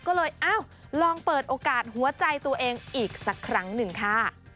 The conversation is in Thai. ก็เลยเอ้าลองเปิดโอกาสหัวใจตัวเองอีกสักครั้งหนึ่งค่ะ